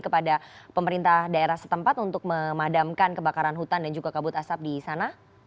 kepada pemerintah daerah setempat untuk memadamkan kebakaran hutan dan juga kabut asap di sana